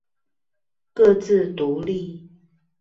各自獨立